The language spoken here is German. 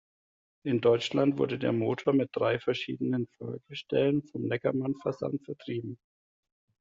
In Deutschland wurde der Motor mit drei verschiedenen Fahrgestellen vom Neckermann Versand vertrieben.